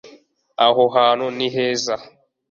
Aha hantu ni heza